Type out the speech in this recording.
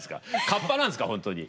カッパなんですか本当に。